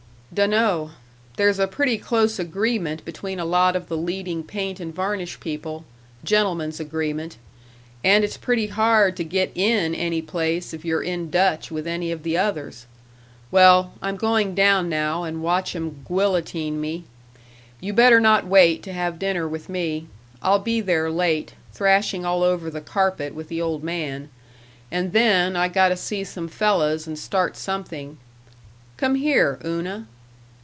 "Dun'no'. There's a pretty close agreement between a lot of the leading paint and varnish people gentleman's agreement and it's pretty hard to get in any place if you're in Dutch with any of the others. Well, I'm going down now and watch 'em gwillotine me. You better not wait to have dinner with me. I'll be there late, thrashing all over the carpet with the old man, and then I gotta see some fellas and start something. Come here, Una."